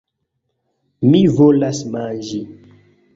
Mi volas manĝi.